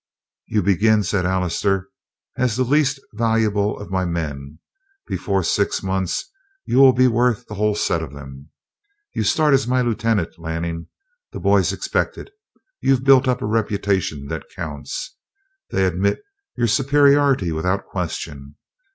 "You begin," said Allister, "as the least valuable of my men; before six months you will be worth the whole set of 'em. You'll start as my lieutenant, Lanning. The boys expect it. You've built up a reputation that counts. They admit your superiority without question.